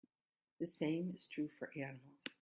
The same is true for animals.